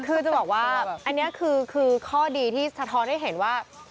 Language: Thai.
คือจะบอกว่าอันนี้คือข้อดีที่สะท้อนให้เห็นว่า